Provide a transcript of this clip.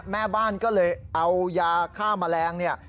แม่บ้านก็เลยเอายาฆ่าแมลงเนี่ย